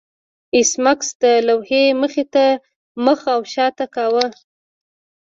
ایس میکس د لوحې مخې ته مخ او شا تګ کاوه